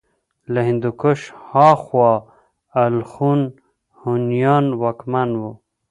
له هندوکش هاخوا الخون هونيان واکمن وو